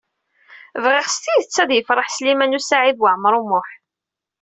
Bɣiɣ s tidet ad yefṛeḥ Sliman U Saɛid Waɛmaṛ U Muḥ.